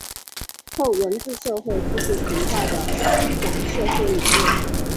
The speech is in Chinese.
后文字社会继续存在的虚讲社会理论。